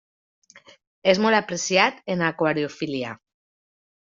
És molt apreciat en aquariofília.